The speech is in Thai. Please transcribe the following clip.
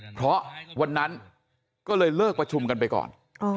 เพราะวันนั้นก็เลยเลิกประชุมกันไปก่อน